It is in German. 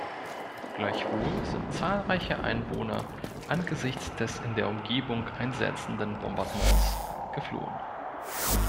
Gleichwohl sind zahlreiche Einwohner angesichts des in der Umgebung einsetzenden Bombardements geflohen.